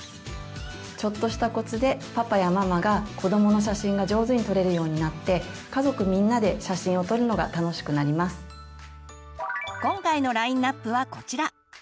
ちょっとしたコツでパパやママが子どもの写真が上手に撮れるようになって今回のラインアップはこちら。